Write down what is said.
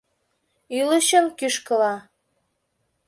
— Ӱлычын кӱшкыла...